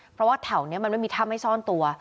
เพราะว่าแถวนี้มันไม่มีท่าไม่ซ่อนตัว